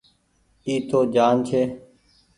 اي تو ڃآن ڇي۔